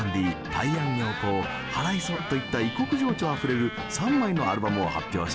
「泰安洋行」「はらいそ」といった異国情緒あふれる３枚のアルバムを発表したのです。